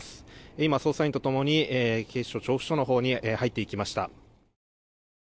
今、捜査員と共に警視庁調布署のほうに入っていきました。